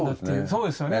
そうですよね。